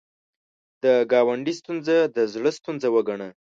د ګاونډي ستونزه د زړه ستونزه وګڼه